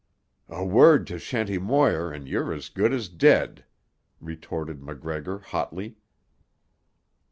"A word to Shanty Moir and you're as good as dead," retorted MacGregor hotly.